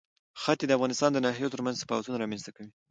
ښتې د افغانستان د ناحیو ترمنځ تفاوتونه رامنځ ته کوي.